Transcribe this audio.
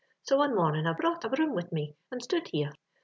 So one momin' I brought a broom wid me and stood here.